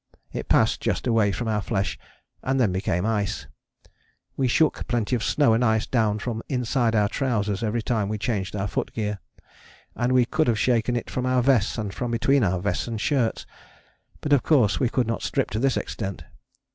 It passed just away from our flesh and then became ice: we shook plenty of snow and ice down from inside our trousers every time we changed our foot gear, and we could have shaken it from our vests and from between our vests and shirts, but of course we could not strip to this extent.